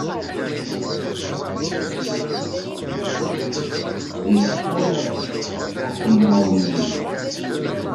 Yexṣer aqemmer-nni.